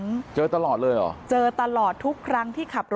เมื่อเวลาอันดับ